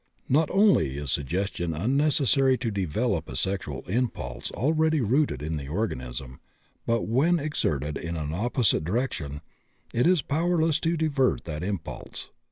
Not only is "suggestion" unnecessary to develop a sexual impulse already rooted in the organism, but when exerted in an opposite direction it is powerless to divert that impulse.